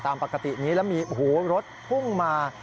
ตามปกตินี้แล้วมีรถพุ่งมา